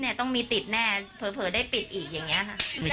สังเกมอีต